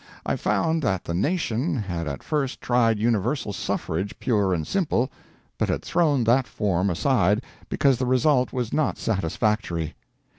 I found that the nation had at first tried universal suffrage pure and simple, but had thrown that form aside because the result was not satisfactory.